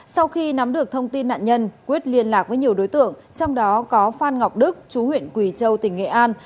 sau khi nắm được thông tin nạn nhân quyết liên lạc với nhiều đối tượng trong đó có phan ngọc đức chú huyện quỳ châu tỉnh nghệ an